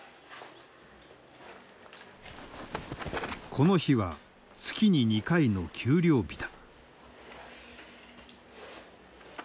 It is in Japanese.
この日は月に２回の給料日だ。